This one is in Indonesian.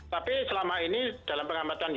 tapi selama ini dalam pengamatan